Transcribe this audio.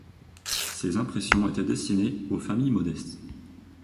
Ces impressions étaient destinées aux familles modestes.